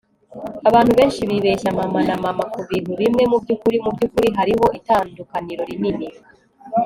abantu benshi bibeshya mama na mama kubintu bimwe, mubyukuri mubyukuri hariho itandukaniro rinini